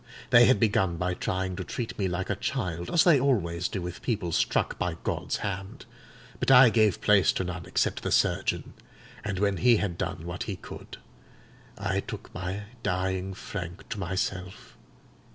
They had begun by trying to treat me like a child, as they always do with people struck by God's hand; but I gave place to none except the surgeon; and when he had done what he could, I took my dying Frank to myself.